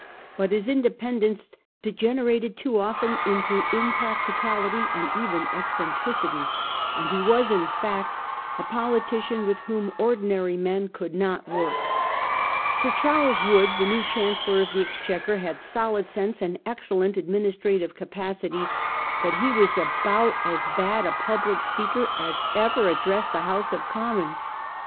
But his independence degenerated too often into impracticability and even eccentricity ; and he was, in fact, a politician with whom ordinary men 1846. THE RUSSELL MINISTRY. 415 could not work. Sir Charles Wood, the new Chan cellor of the Exchequer, had solid sense and excel lent administrative capacity, hut he was about as bad a public speaker as ever addressed the House of Commons.